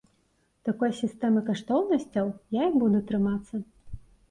Такой сістэмы каштоўнасцяў я і буду трымацца.